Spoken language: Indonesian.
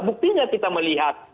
buktinya kita melihat